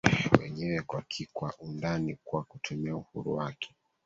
wenyewe kwa ki kwa undani kwa kutumia uhuru wake